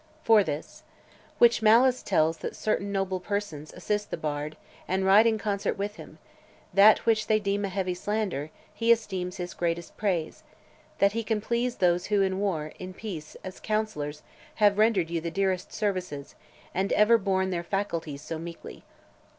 For this, Which malice tells that certain noble persons Assist the bard, and write in concert with him, That which they deem a heavy slander, he Esteems his greatest praise: that he can please Those who in war, in peace, as counsellors, Have rendered you the dearest services, And ever borne their faculties so meekly.